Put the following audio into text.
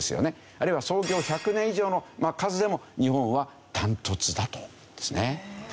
あるいは創業１００年以上の数でも日本はダントツだという事ですね。